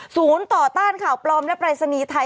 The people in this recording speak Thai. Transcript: ศูนย์ต่อบต้านข่าวปลอมที่ภายในปรับศึกฤติไทย